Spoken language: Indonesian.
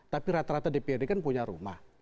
tapi rata rata dprd kan punya rumah